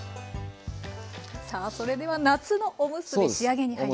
さあそれでは夏のおむすび仕上げに入ります。